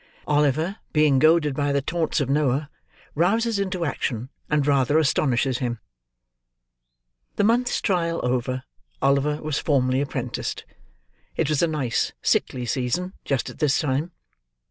OLIVER, BEING GOADED BY THE TAUNTS OF NOAH, ROUSES INTO ACTION, AND RATHER ASTONISHES HIM The month's trial over, Oliver was formally apprenticed. It was a nice sickly season just at this time.